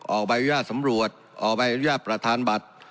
ออกบริหารสำรวจออกบริหารประทานบัตร